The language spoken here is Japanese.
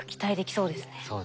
そうですね。